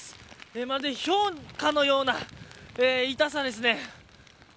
まるでひょうかのような痛さです。